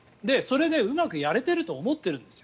それでうまくやれていると思っているんですよ。